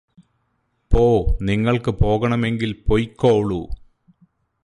പോ നിങ്ങള്ക്ക് പോകണമെങ്കില് പൊയ്ക്കോളൂ